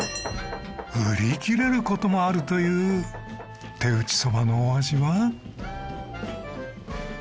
売り切れる事もあるという手打ちそばのお味は？